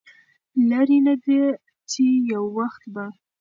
لرې نه ده چې يو وخت به